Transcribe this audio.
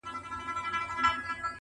• مهار د اوښ به په خره پسې وي -